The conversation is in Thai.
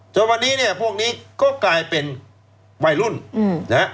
จนวันนี้พวกนี้ก็กลายเป็นวัยรุ่น